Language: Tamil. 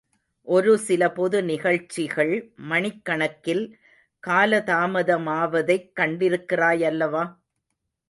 ஒரு சில பொது நிகழ்ச்சிகள் மணிக்கணக்கில் காலதாமதமாவதைக் கண்டிக்கிறாய் அல்லவா?